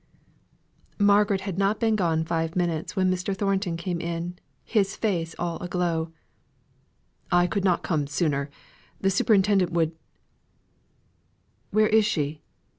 Margaret had not been gone five minutes when Mr. Thornton came in, his face all a glow. "I could not come sooner: the superintendent would Where is she?"